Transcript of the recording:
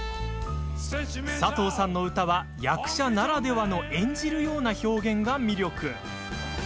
佐藤さんの歌は役者ならではの演じるような表現が魅力。